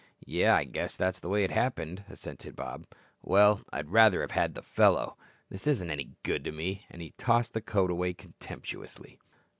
"Yes, I guess that's the way it happened," assented Bob. "Well, I'd rather have had the fellow. This isn't any good to me." And he tossed the coat away contemptuously.